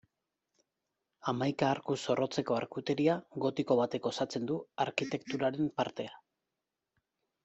Hamaika arku zorrotzeko arkuteria gotiko batek osatzen du arkitekturaren partea.